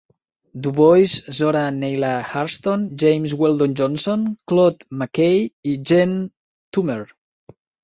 Du Bois, Zora Neale Hurston, James Weldon Johnson, Claude McKay i Jean Toomer.